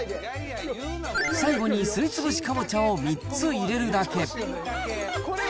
最後にすりつぶしかぼちゃを３つ入れるだけ。